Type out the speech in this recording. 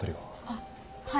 あっはい。